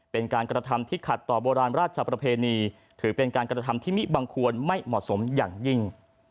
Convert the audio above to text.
เป็นการกระทำที่ขัดต่อโบราณราชประเพณีถือเป็นการกระทำที่มิบังควรไม่เหมาะสมอย่างยิ่ง